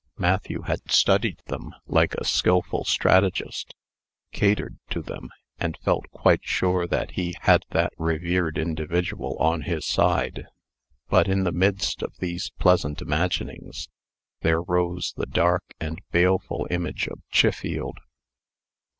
Matthew had studied them, like a skilful strategist, catered to them, and felt quite sure that he had that revered individual on his side. But, in the midst of these pleasant imaginings, there rose the dark and baleful image of Chiffield!